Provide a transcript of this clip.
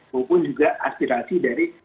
maupun juga aspirasi dari